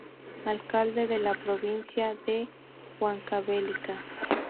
Alcalde de la Provincia de Huancavelica.